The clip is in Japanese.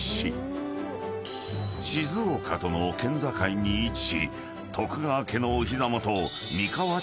［静岡との県境に位置し］